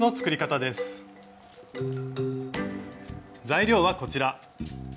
材料はこちら。